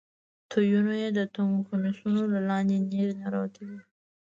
تيونه يې د تنګو کميسونو له لاندې نېغ نېغ راوتلي وو.